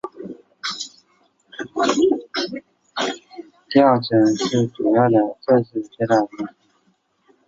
第二层是主要的正式接待楼层。